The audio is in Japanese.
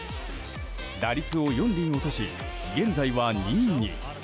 打率を４厘落とし現在は２位に。